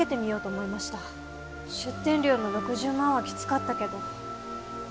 出店料の６０万はきつかったけど。